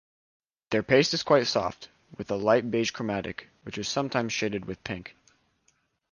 Their paste is quite soft, with a light beige chromatic, which is sometimes shaded with pink.